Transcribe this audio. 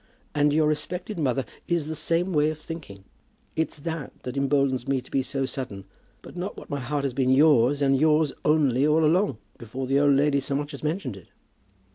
"And your respected mother is the same way of thinking. It's that that emboldens me to be so sudden. Not but what my heart has been yours and yours only all along, before the old lady so much as mentioned it."